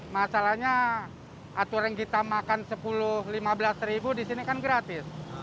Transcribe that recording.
masalahnya aturan kita makan sepuluh lima belas ribu di sini kan gratis